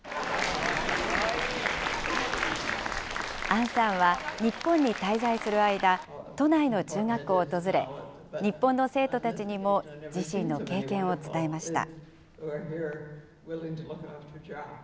アンさんは、日本に滞在する間、都内の中学校を訪れ、日本の生徒たちにも自身の経験を伝えました。